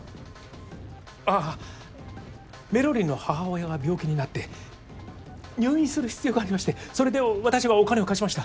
ああメロりんの母親が病気になって入院する必要がありましてそれで私がお金を貸しました。